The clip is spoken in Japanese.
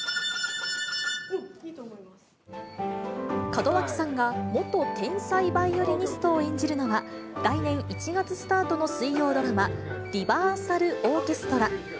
門脇さんが元天才バイオリニストを演じるのは、来年１月スタートの水曜ドラマ、リバーサルオーケストラ。